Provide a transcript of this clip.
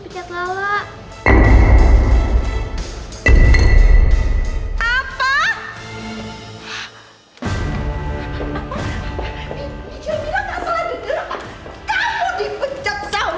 bikin masalah ya kan